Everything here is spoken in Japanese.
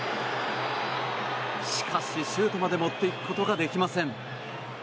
しかし、シュートまで持っていくことができません。